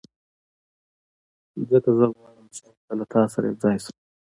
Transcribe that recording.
ځکه زه غواړم چې هلته له تا سره یو ځای شم